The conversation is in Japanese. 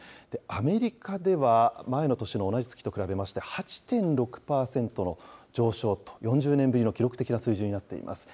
アメリカでは前の年の同じ月と比べまして、８．６％の上昇と、４０年ぶりの記録的な水準になっています。